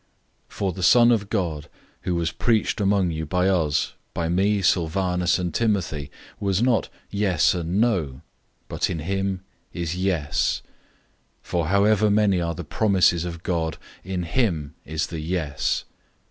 001:019 For the Son of God, Jesus Christ, who was preached among you by us, by me, Silvanus, and Timothy, was not "Yes and no," but in him is "Yes." 001:020 For however many are the promises of God, in him is the "Yes."